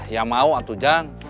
ya mau atu jan